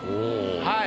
はい。